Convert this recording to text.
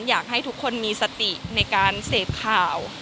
อยากให้ทุกคนมีสติในการเสพข่าว